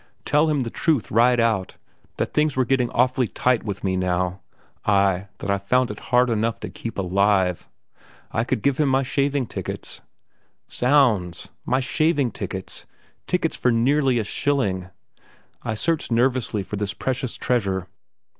Tell him the truth right out, that things were getting awfully tight with me now; ay, that I found it hard enough to keep alive. I could give him my shaving tickets. Zounds! my shaving tickets; tickets for nearly a shilling. I search nervously for this precious treasure.